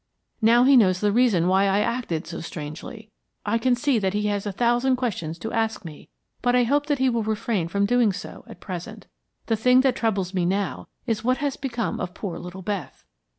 Now he knows the reason why I acted so strangely. I can see that he has a thousand questions to ask me, but I hope that he will refrain from doing so at present. The thing that troubles me now is what has become of poor little Beth."